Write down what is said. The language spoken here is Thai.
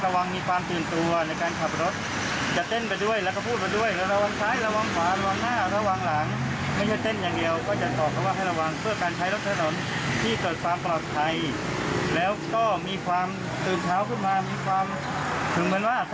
ผมว่าเป็นเรื่องที่ชอบดีหรือเปล่า